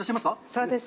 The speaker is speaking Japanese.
そうです。